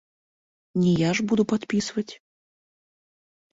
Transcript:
Не я ж буду падпісваць.